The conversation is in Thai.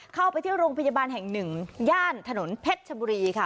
เข้าไปที่โรงพยาบาลแห่งหนึ่งย่านถนนเพชรชบุรีค่ะ